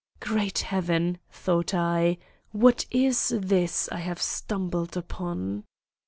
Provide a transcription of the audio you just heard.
"Great heaven!" thought I, "what is this I have stumbled upon!"